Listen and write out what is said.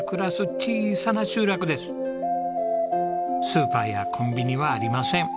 スーパーやコンビニはありません。